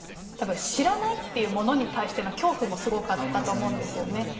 やっぱり知らないっていうものに対しての恐怖もすごくあったと思うんですよね。